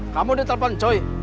kamu ditelepon ncuy